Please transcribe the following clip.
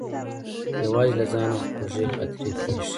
یوازې له ځانه خوږې خاطرې پرې ایښې.